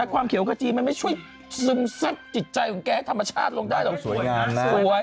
ความเขียวกะทิไม่ช่วยซึมซักจิตใจของแกธรรมชาติลงได้หรอก